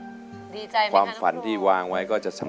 ดีใจไหมครับคุณครูความฝันที่วางไว้ก็จะสำเร็จ